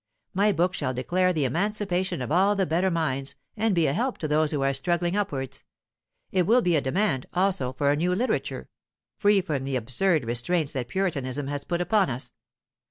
My book shall declare the emancipation of all the better minds and be a help to those who are struggling upwards. It will be a demand, also, for a new literature, free from the absurd restraints that Puritanism has put upon us.